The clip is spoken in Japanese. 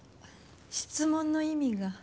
質問の意味が。